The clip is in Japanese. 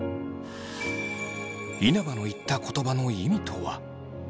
稲葉の言った言葉の意味とは？